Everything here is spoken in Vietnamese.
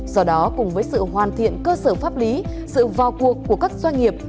do đó cùng với sự hoàn thiện cơ sở pháp lý sự vào cuộc của các doanh nghiệp